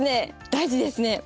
大事ですね。